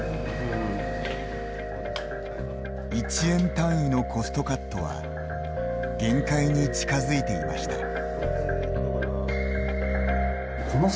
１円単位のコストカットは限界に近づいていました。